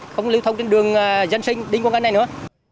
không lưu thông trên đường dân sinh đinh quang ân này nữa